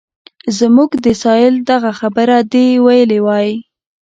زموږ د سایل دغه خبره دې ویلې وای.